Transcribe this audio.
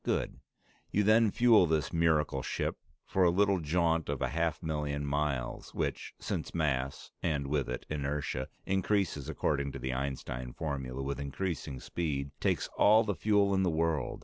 Good. You then fuel this miracle ship for a little jaunt of a half million miles, which, since mass (and with it inertia) increases according to the Einstein formula with increasing speed, takes all the fuel in the world.